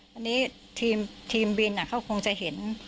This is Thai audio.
วันนี้ทีมบินเขาคงจะเห็น